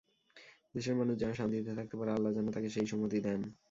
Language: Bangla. দেশের মানুষ যেন শান্তিতে থাকতে পারে, আল্লাহ যেন তাঁকে সেই সুমতি দেন।